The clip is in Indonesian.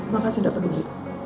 makasih dapet ubi